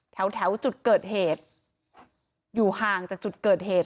แถวจุดเกิดเหตุอยู่ห่างจากจุดเกิดเหตุ